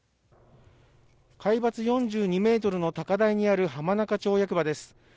海抜４２ｍの高台にある浜中町役場です。